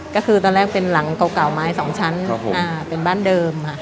ก็คือตอนแรกเป็นหลังเก่าเก่าไม้สองชั้นครับผมอ่าเป็นบ้านเดิมค่ะ